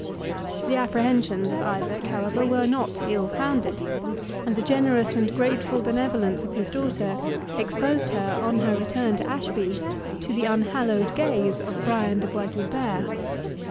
The apprehensions of Isaac, however, were not ill founded; and the generous and grateful benevolence of his daughter exposed her, on her return to Ashby, to the unhallowed gaze of Brian de Bois Guilbert.